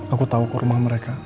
aku tau ke rumah mereka